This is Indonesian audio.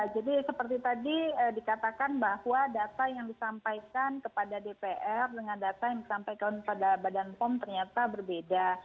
jadi seperti tadi dikatakan bahwa data yang disampaikan kepada dpr dengan data yang disampaikan kepada badan pom ternyata berbeda